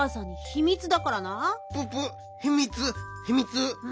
ひみつ。